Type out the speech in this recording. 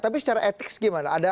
tapi secara etik gimana